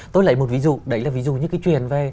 tôi lấy một ví dụ đấy là ví dụ như cái chuyện về